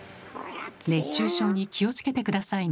熱中症に気を付けて下さいね。